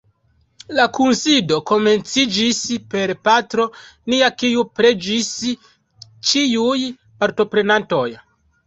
La kunsido komenciĝis per Patro Nia kiu preĝis ĉiuj partoprenantoj.